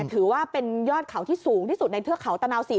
ถือว่าเป็นยอดเขาที่สูงที่สุดในเทือกเขาตะนาวศรี